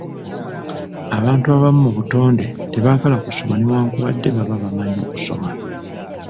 Abantu abamu mu butonde tebaagala kusoma newankubadde baba bamanyi okusoma.